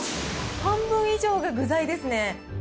半分以上が具材ですね。